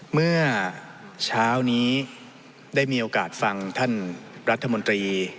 เมื่อเช้านี้ได้มีโอกาสฟังท่านรัฐมนตรี